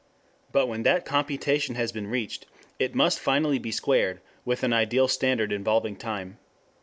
But when that computation has been reached it must finally be squared with an ideal standard involving time.